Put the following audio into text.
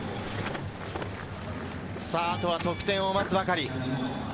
あとは得点を待つばかり。